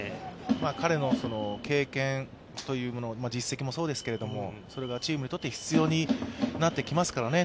彼の経験、実績もそうですけれどもそれがチームにとって必要になってきますからね。